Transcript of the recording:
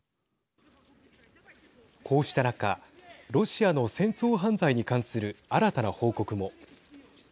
こうした中ロシアの戦争犯罪に関する新たな報告も。